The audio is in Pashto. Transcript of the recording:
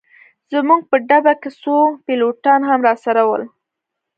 زموږ په ډبه کي څو پیلوټان هم راسره ول.